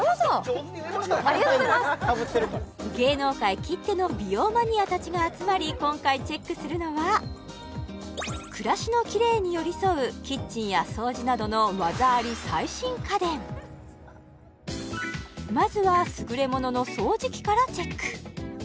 上手に振りました芸能界きっての美容マニアたちが集まり今回チェックするのは暮らしのキレイに寄り添うキッチンや掃除などの技あり最新家電まずはすぐれものの掃除機からチェック